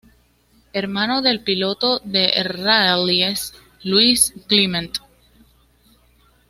Hermano del piloto de rallyes Luis Climent.